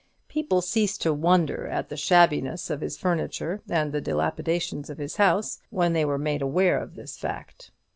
People ceased to wonder at the shabbiness of his furniture and the dilapidation of his house, when they were made aware of this fact.